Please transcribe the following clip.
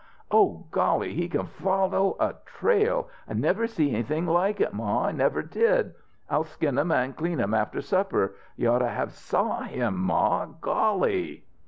Oh, golly, he can follow a trail! I never see anything like it, Ma, I never did! I'll skin 'em an' clean 'em after supper. You ought to have saw him, Ma! Golly!"